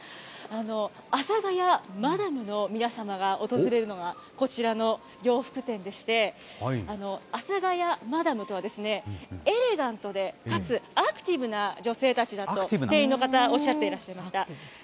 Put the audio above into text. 阿佐ヶ谷マダムの皆様が訪れるのが、こちらの洋服店でして、阿佐ヶ谷マダムとは、エレガントで、かつアクティブな女性たちだと、店員の方、おっしゃっていました。